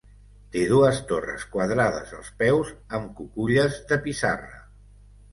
Té dues torres quadrades als peus, amb cuculles de pissarra.